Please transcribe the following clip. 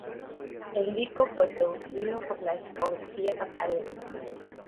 El Disco fue producido por la Discográfica Pasarela.